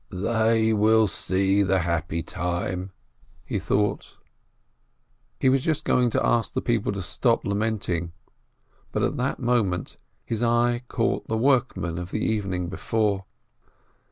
"They will see the happy time," he thought. He was just going to ask the people to stop lament ing, but at that moment his eye caught the workmen of the evening before.